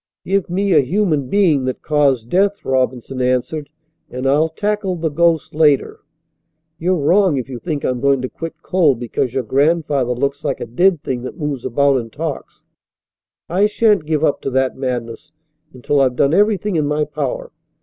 "Give me a human being that caused death," Robinson answered, "and I'll tackle the ghosts later. You're wrong if you think I'm going to quit cold because your grandfather looks like a dead thing that moves about and talks. I shan't give up to that madness until I've done everything in my power.